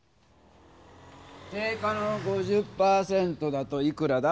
定価の５０％だといくらだ？